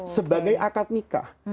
sebagai akad nikah